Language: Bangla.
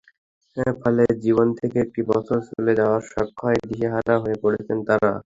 ফলে জীবন থেকে একটি বছর চলে যাওয়ার শঙ্কায় দিশেহারা হয়ে পড়েছেন তাঁরা।